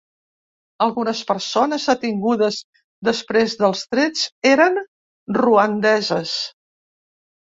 Algunes persones detingudes després dels trets eren ruandeses.